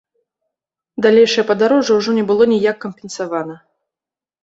Далейшае падарожжа ўжо не было ніяк кампенсавана.